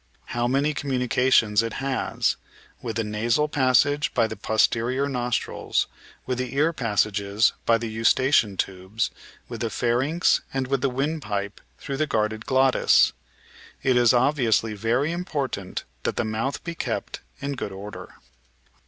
How many communi cations it has — ^with the nasal passage by the posterior nostrils, with the ear passages by the Eustachian tubes, with the pharynx, and with the windpipe through the guarded glottis. It is obvi ously very important that the mouth be kept in good order.